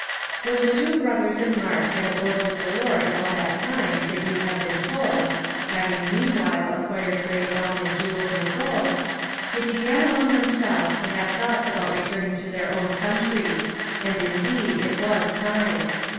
When the Two Brothers and Mark had abode with the Lord all that time that you have been told [having meanwhile acquired great wealth in jewels and gold], they began among themselves to have thoughts about returning to their own country ; and indeed it was time.